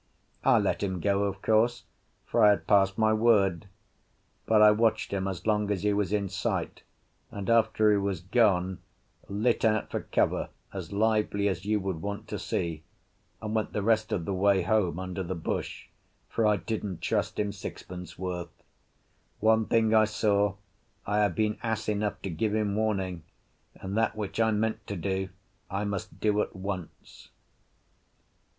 I let him go, of course, for I had passed my word. But I watched him as long as he was in sight, and after he was gone lit out for cover as lively as you would want to see, and went the rest of the way home under the bush, for I didn't trust him sixpence worth. One thing I saw, I had been ass enough to give him warning, and that which I meant to do I must do at once.